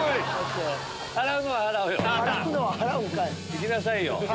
行きなさいよ